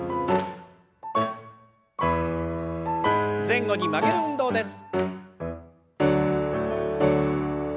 前後に曲げる運動です。